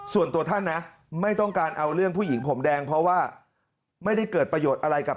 ส่วนตัวท่านนะไม่ต้องการเอาเรื่องผู้หญิงผมแดงเพราะว่าไม่ได้เกิดประโยชน์อะไรกับ